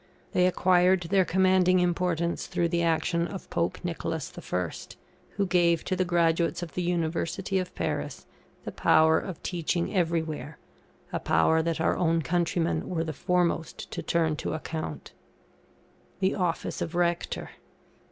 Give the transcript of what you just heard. They acquired their commanding importance through the action of Pope Nicholas I, who gave to the graduates of the University of Paris, the power of teaching everywhere, a power that our own countrymen were the foremost to turn to account. THE OFFICE OF RECTOR.